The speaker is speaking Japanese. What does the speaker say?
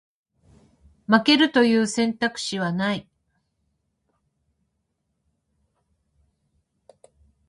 負けるという選択肢はない